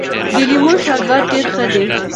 د لیمو شربت ډېر ښه دی.